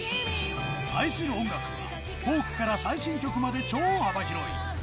愛する音楽はフォークから最新曲まで超幅広い。